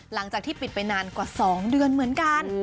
หลังจากที่ปิดไปนานกว่า๒เดือนเหมือนกัน